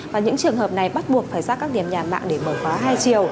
và những trường hợp này bắt buộc phải ra các điểm nhà mạng để mở khóa hai triệu